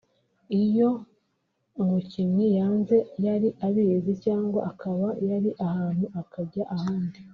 iyo umukinnyi yanze yari abizi cyangwa akaba yari ahantu akajya ahandi